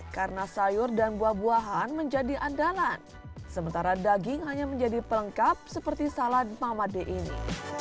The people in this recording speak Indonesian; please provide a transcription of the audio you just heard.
karena sayur dan buah buahan menjadi andalan sementara daging hanya menjadi pelengkap seperti salad mamat d ini